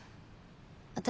私